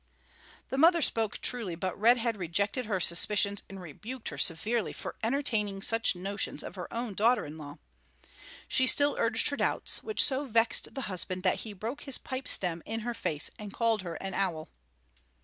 The mother spoke truly, but Red Head rejected her suspicions and rebuked her severely for entertaining, such notions of her own daughter in law. She still urged her doubts, which so vexed the husband that he broke his pipe stem in her face and called her an owl.